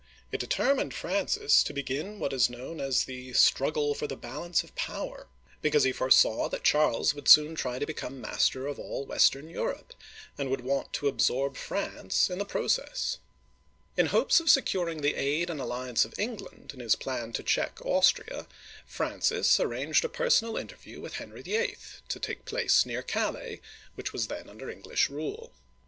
It determined Francis to begin what is known as the " Struggle for the Balance of Power," because he foresaw that Charles would soon try to become master of all western Europe, and would want to absorb France in the process. Digitized by Google FRANCIS I. (1515 1547) 231 In hopes of securing the aid and alliance of England in his plan to check Austria, Francis arranged a personal in terview with Henry VIII., to take place near Calais, which was then under English rule.